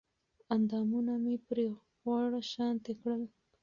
اندامونه مې پرې غوړ شانتې کړل